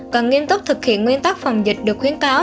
cần nghiêm túc thực hiện nguyên tắc phòng dịch được khuyến cáo